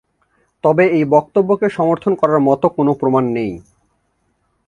তবে এই বক্তব্যকে সমর্থন করার মত কোনো প্রমাণ নেই।